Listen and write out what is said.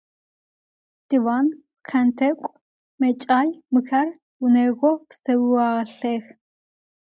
Divan, pxhent'ek'u, meç'ay – mıxer vuneğo pseualhex.